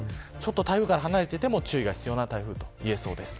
台風から離れていても注意が必要な台風です。